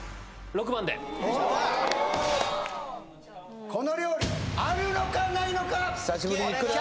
６番でこの料理あるのかないのか久しぶりにくる？